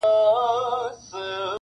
کلي دوه برخې ښکاري اوس ډېر,